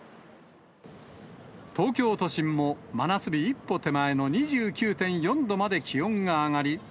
東京都心も真夏日一歩手前の２９．４度まで気温が上がり。